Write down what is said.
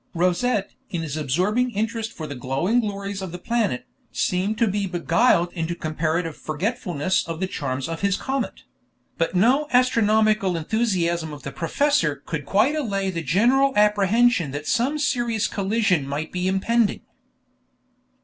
Rosette, in his absorbing interest for the glowing glories of the planet, seemed to be beguiled into comparative forgetfulness of the charms of his comet; but no astronomical enthusiasm of the professor could quite allay the general apprehension that some serious collision might be impending.